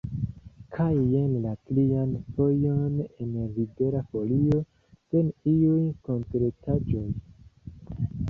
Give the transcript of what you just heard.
Kaj jen la trian fojon en Libera Folio sen iuj konkretaĵoj.